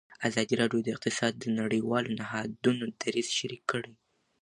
ازادي راډیو د اقتصاد د نړیوالو نهادونو دریځ شریک کړی.